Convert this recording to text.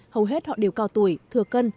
hầu hết họ đều cao tuổi thừa cân